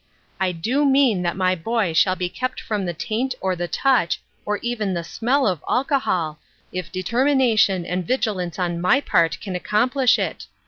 I do mean that my boy shall be kept from the taint or the touch, or even the smell of alcohol, if deter mination and vigilance on my part can accomplish it.